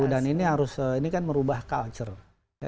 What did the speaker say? dan ini harus ini kan merubah culture